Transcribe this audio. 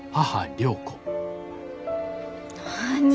何？